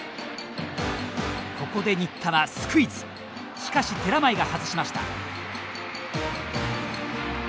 ここで新田はスクイズしかし、寺前が外しました。